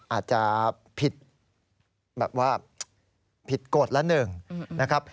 อาจจะผิดกฎละหนึ่งนะครับ